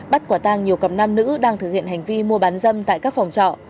bắt quả tang nhiều cặp nam nữ đang thực hiện hành vi mua bán dâm tại các phòng trọ